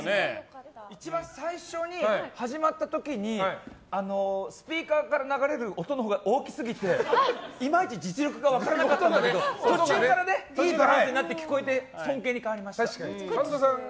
一番最初に、始まった時にスピーカーから流れる音のほうが大きすぎていまいち実力が分からなかったんだけど途中からいいバランスになって聴こえて神田さんが。